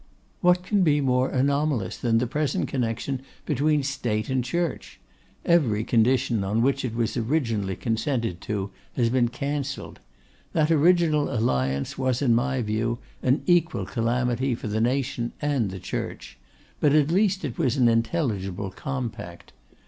'What can be more anomalous than the present connection between State and Church? Every condition on which it was originally consented to has been cancelled. That original alliance was, in my view, an equal calamity for the nation and the Church; but, at least, it was an intelligible compact.